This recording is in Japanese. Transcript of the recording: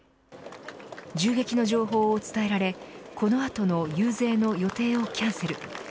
銃撃の情報を伝えられこの後の遊説の予定をキャンセル。